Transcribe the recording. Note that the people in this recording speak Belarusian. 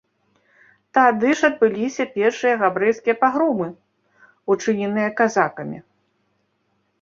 Тады ж адбыліся першыя габрэйскія пагромы, учыненыя казакамі.